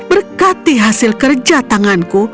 berkati hasil kerja tanganku